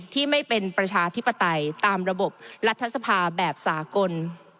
ที่ไม่เป็นประชาธิปไตยตามระบบรัฐสภาแบบสากล